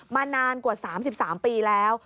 นานกว่า๓๓ปีแล้ว